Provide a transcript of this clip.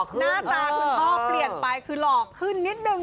หน้าตาคุณพ่อเปลี่ยนไปคือหลอกขึ้นนิดนึง